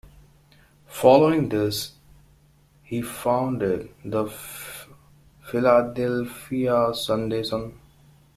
Following this, he founded the "Philadelphia Sunday Sun".